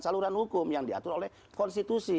saluran hukum yang diatur oleh konstitusi